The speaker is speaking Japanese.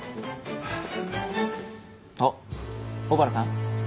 あっ小原さん。